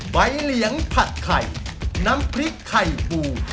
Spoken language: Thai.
เหลียงผัดไข่น้ำพริกไข่พู